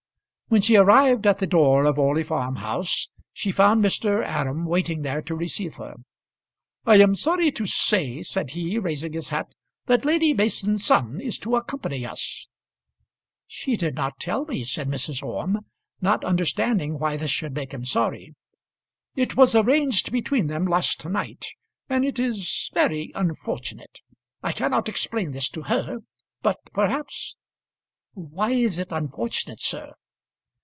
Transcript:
When she arrived at the door of Orley Farm house she found Mr. Aram waiting there to receive her. "I am sorry to say," said he, raising his hat, "that Lady Mason's son is to accompany us." "She did not tell me," said Mrs. Orme, not understanding why this should make him sorry. "It was arranged between them last night, and it is very unfortunate. I cannot explain this to her; but perhaps " "Why is it unfortunate, sir?"